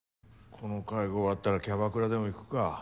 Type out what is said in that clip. この会合終わったらキャバクラでも行くか。